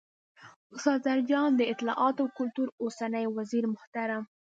، استاد زرجان، د اطلاعات او کلتور اوسنی وزیرمحترم